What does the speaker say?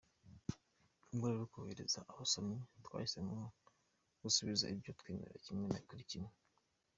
Mu rwego rwo korohereza abasomyi, twahisemo gusubiza ibyo tutemera kimwe kuri kimwe.